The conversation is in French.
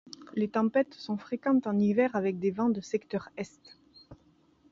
Les tempêtes sont fréquentes en hiver avec des vents de secteur est.